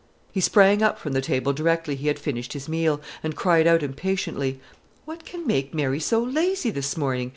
He sprang up from the table directly he had finished his meal, and cried out impatiently, "What can make Mary so lazy this morning?